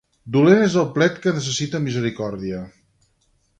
Dolent és el plet que necessita misericòrdia.